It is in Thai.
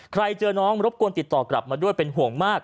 เจอน้องรบกวนติดต่อกลับมาด้วยเป็นห่วงมาก